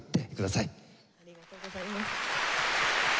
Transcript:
ありがとうございます。